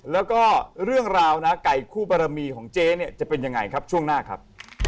แล้วก็เรื่องราวนะไก่คู่บารมีของเจ๊เนี่ยจะเป็นยังไงครับช่วงหน้าครับ